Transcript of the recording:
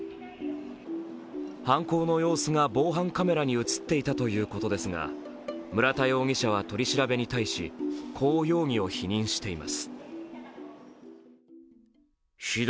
犯行の様子が防犯カメラに映っていたということですが村田容疑者は取り調べに対し、こう容疑を否認しています。